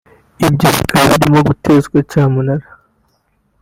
ibye bikaba birimo gutezwa cyamunara